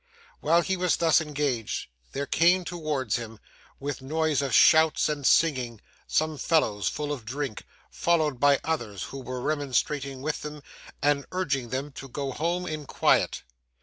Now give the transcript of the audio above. While he was thus engaged, there came towards him, with noise of shouts and singing, some fellows full of drink, followed by others, who were remonstrating with them and urging them to go home in quiet.